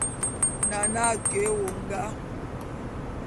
Nane a ke éwongá.